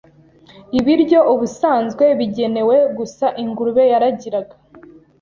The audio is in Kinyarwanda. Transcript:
ibiryo ubusanzwe bigenewe gusa ingurube yaragiraga.